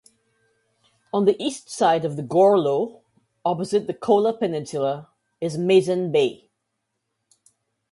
On the east side of the 'gorlo', opposite the Kola peninsula, is Mezen Bay.